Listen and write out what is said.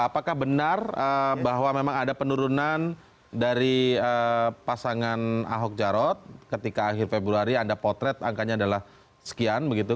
apakah benar bahwa memang ada penurunan dari pasangan ahok jarot ketika akhir februari anda potret angkanya adalah sekian begitu